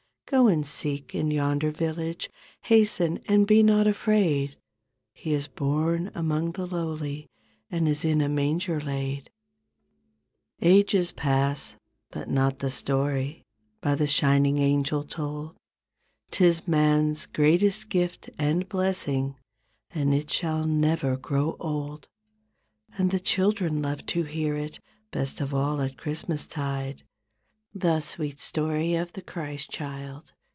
Go and seek in yonder village. Hasten and be not afraid. He is born among the lowly And is in a manger laid." Ages pass, but not the story By the shining angel told, 'Tis man's greatest gift and blessing And it never shall grow old. And the children love to hear it Best of all at Christmastide, The sweet story of the Christ child.